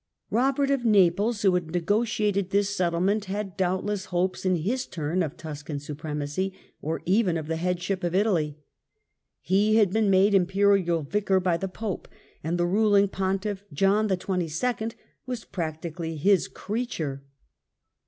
Ambitions Kobert of Naples, who had negotiated this settlement, of Naples ^^^ doubtless hopes in his turn of Tuscan supremacy, or even of the headship of Italy. He had been made Imperial Vicar by the Pope and the ruling Pontiff, John XXII., was practically his creature.